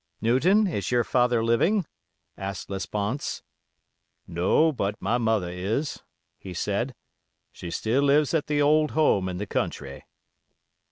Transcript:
"Newton, is your father living?" asked Lesponts. "No, but my mother is," he said; "she still lives at the old home in the country."